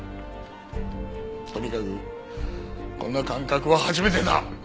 とにかくこんな感覚は初めてだ。